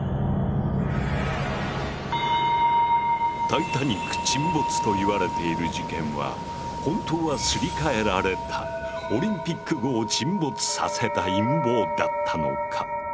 タイタニック沈没と言われている事件は本当はすり替えられたオリンピック号を沈没させた陰謀だったのか？